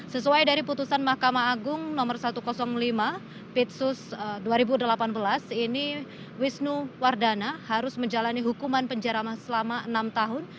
sesuai dari putusan mahkamah agung nomor satu ratus lima pitsus dua ribu delapan belas ini wisnu wardana harus menjalani hukuman penjara selama enam tahun